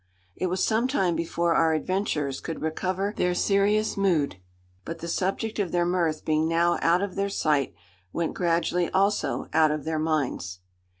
It was some time before our adventurers could recover their serious mood; but the subject of their mirth being now out of their sight, went gradually also out of their minds.